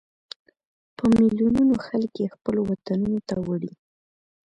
په ملیونونو خلک یې خپلو وطنونو ته وړي.